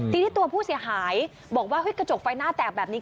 ทีนี้ตัวผู้เสียหายบอกว่ากระจกไฟหน้าแตกแบบนี้